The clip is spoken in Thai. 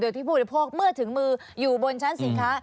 เดี๋ยวพี่พูดโยคเมื่อถึงมืออยู่บนชั้นสินค้า